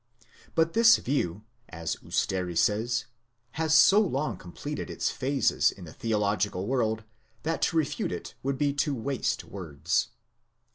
But this view, as Usteri says, has so long completed its phases in the theological world, that to refute it would be to waste words.